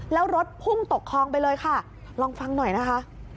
แล้วรถพุ่งตกคลองไปเลยค่ะลองฟังหน่อยนะคะ